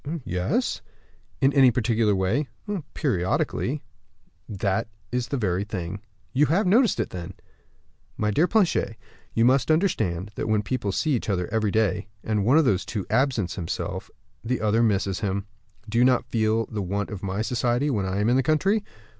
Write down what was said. "Yes." "In any particular way?" "Periodically." "That's the very thing. You have noticed it, then?" "My dear Planchet, you must understand that when people see each other every day, and one of the two absents himself, the other misses him. Do you not feel the want of my society when I am in the country?"